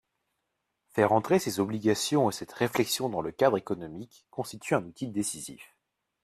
Faire entrer ces obligations et cette réflexion dans le cadre économique constitue un outil décisif.